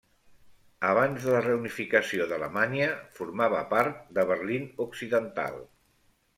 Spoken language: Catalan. Abans de la reunificació d'Alemanya, formava part de Berlín occidental.